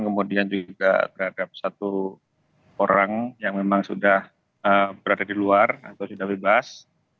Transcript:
kemudian juga terhadap satu orang yang memang sudah berada di luar atau sudah bebas